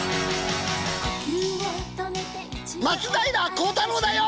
松平孝太郎だよ。